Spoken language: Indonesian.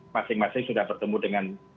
masing masing sudah bertemu dengan